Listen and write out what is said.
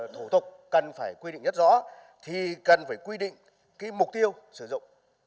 thủ tục cần phải quy định rất rõ thì cần phải quy định mục tiêu sử dụng